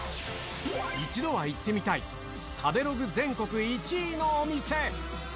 一度は行ってみたい、食べログ全国１位のお店。